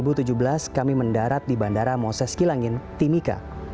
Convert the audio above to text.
pagi hari dua puluh enam september dua ribu tujuh belas kami mendarat di bandara moses kilangin timika